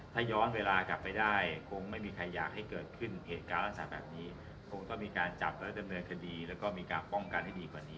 ถ้าย้อนเวลากลับไปได้คงไม่มีใครอยากให้เกิดขึ้นเหตุการณ์ลักษณะแบบนี้คงต้องมีการจับและดำเนินคดีแล้วก็มีการป้องกันให้ดีกว่านี้